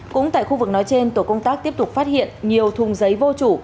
cũng tại khu vực nói trên tổ công tác tiếp tục phát hiện nhiều thùng giấy vô chủ